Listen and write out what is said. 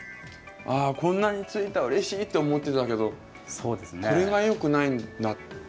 「こんなについたうれしい」って思ってたけどそれがよくないんだ。